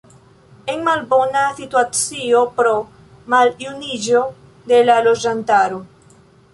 En malbona situacio pro maljuniĝo de la loĝantaro.